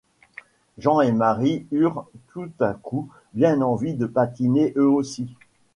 Jean et Marie eurent tout à coup bien envie de patiner, eux aussi.